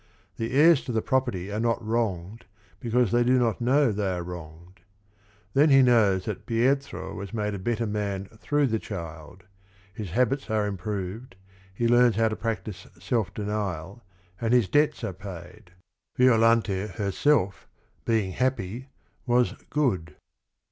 The heirs to the property are not wronged because they do not know they are wronged. Then he knows that Pietro was made a better man through the child; his habits are improved, he learns how to practise self denial, and his debts are paid. Violante herself, being happy, was good.